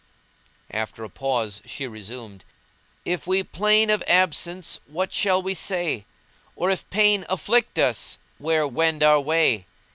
[FN#181]" After a pause she resumed:— "If we 'plain of absence what shall we say? * Or if pain afflict us where wend our way?